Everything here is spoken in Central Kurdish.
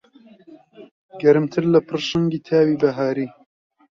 گەرمتر لە پڕشنگی تاوی بەهاری